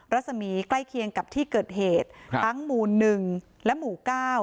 รัศมีใกล้เคียงกับที่เกิดเหตุครับทั้งหมู่หนึ่งและหมู่เก้า